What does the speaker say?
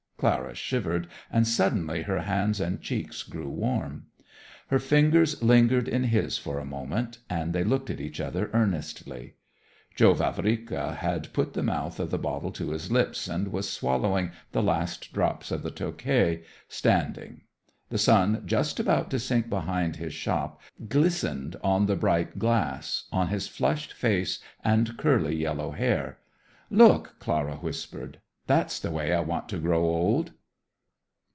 Clara shivered, and suddenly her hands and cheeks grew warm. Her fingers lingered in his a moment, and they looked at each other earnestly. Joe Vavrika had put the mouth of the bottle to his lips and was swallowing the last drops of the Tokai, standing. The sun, just about to sink behind his shop, glistened on the bright glass, on his flushed face and curly yellow hair. "Look," Clara whispered; "that's the way I want to grow old."